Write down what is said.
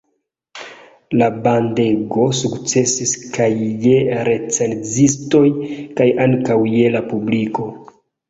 La bandego sukcesis kaj je recenzistoj kaj ankaŭ je la publiko.